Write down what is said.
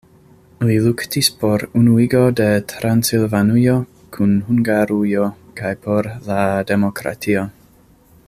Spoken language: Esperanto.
Li luktis por unuigo de Transilvanujo kun Hungarujo kaj por la demokratio.